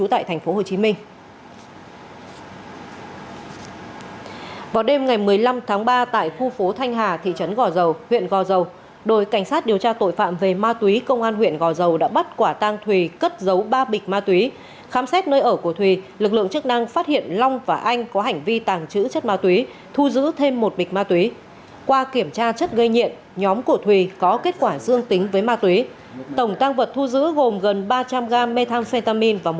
trước đó vào tối ngày hai mươi bốn tháng ba đội cảnh sát điều tra công an tp rạch giá phối hợp với công an tp rạch trúc phòng vĩnh lạc